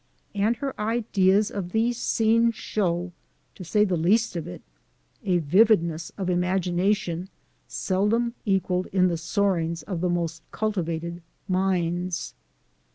And her ideas of these scenes show, to say the least of it, a vividness of imagination seldom equaled in the soarings of the most cultivated minds.